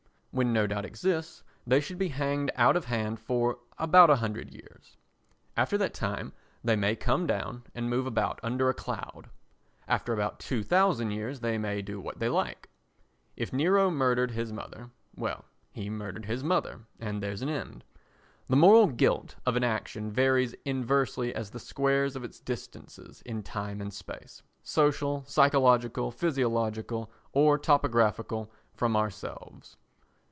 When no doubt exists they should be hanged out of hand for about a hundred years. After that time they may come down and move about under a cloud. After about 2000 years they may do what they like. If Nero murdered his mother—well, he murdered his mother and there's an end. The moral guilt of an action varies inversely as the squares of its distances in time and space, social, psychological, physiological or topographical, from ourselves.